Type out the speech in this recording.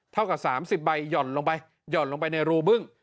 เท่ากับ๓๐ใบหย่อนลงไปหย่อนลงไปในรูบึ้ง